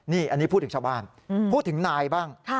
นี่อันนี้พูดถึงชาวบ้านพูดถึงนายบ้าง